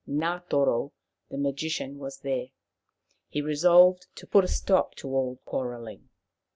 Ngatoro the magician was there. He resolved to put a stop to all quarrelling.